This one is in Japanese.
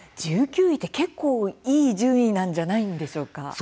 １９位って結構いい順位なんじゃないんでしょうか？